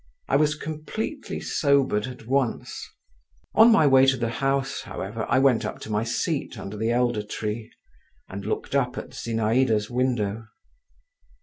I was completely sobered at once. On my way to the house, however, I went up to my seat under the elder tree, and looked up at Zinaïda's window.